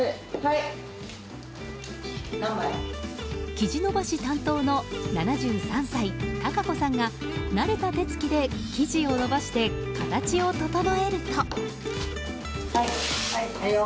生地延ばし担当の７３歳、孝子さんが手慣れた手つきで生地を延ばして形を整えると。